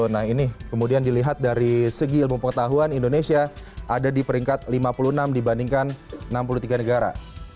nah ini kemudian dilihat dari segi ilmu pengetahuan indonesia ada di peringkat lima puluh enam dibandingkan enam puluh tiga negara